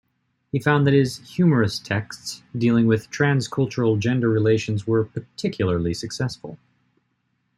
He found that his humorous texts dealing with trans-cultural gender relations were particularly successful.